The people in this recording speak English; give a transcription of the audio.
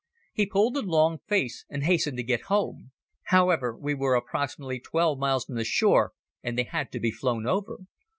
He pulled a long face and hastened to get home. However, we were approximately twelve miles from the shore and they had to be flown over.